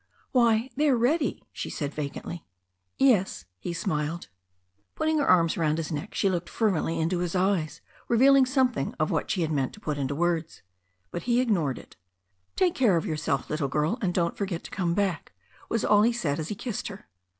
"Why, they are ready," she said vacantly. "Yes." He smiled. Putting her arms round his neck, she looked fervently THE STORY OF A NEW ZEALAND RIVER 241 into his eyes, revealing something of what she had meant to put into words. But he ignored it. "Take care of yourself, little girl, and don't forget to come back," was all he said as he kissed her.